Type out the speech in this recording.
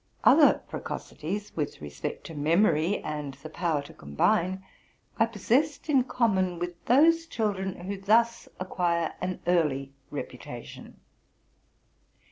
Other precocities, with respect to memory and the power to combine, I possessed in common with those children who thus acquire an early reputation.